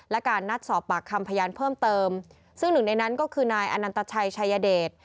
และการนัดสอบปากคำพยานเพิ่มเติมซึ่งหนึ่งในนั้นก็คือนายอนันตชัยชายเดช